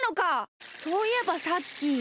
そういえばさっき。